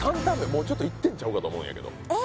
もうちょっといってんちゃうかと思うんやけど・え！